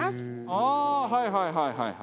ああーはいはいはいはい。